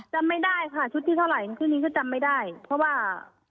จำไม่ได้ค่ะชุดที่เท่าไหร่ชื่อนี้ก็จำไม่ได้เพราะว่า